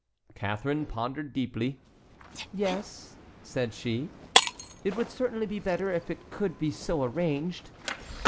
Catharine pondered deeply. "Yes," said she; "it would certainly be better if it could be so arranged."